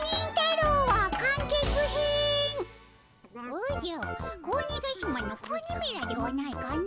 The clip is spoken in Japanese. おじゃっ子鬼ヶ島の子鬼めらではないかの？